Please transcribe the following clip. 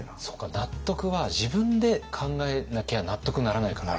納得は自分で考えなきゃ納得にならないから。